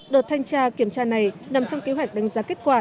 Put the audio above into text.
đợt thanh tra kiểm tra này nằm trong kế hoạch đánh giá kết quả